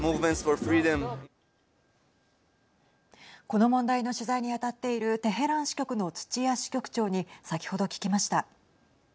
この問題の取材に当たっているテヘラン支局の土屋支局長に先ほど聞きました。